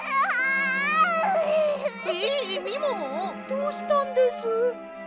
どうしたんです？